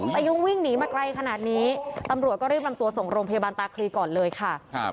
แต่ยุ่งวิ่งหนีมาไกลขนาดนี้ตำรวจก็รีบนำตัวส่งโรงพยาบาลตาคลีก่อนเลยค่ะ